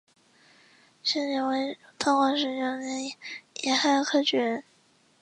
陈鼐为道光十九年己亥科举人。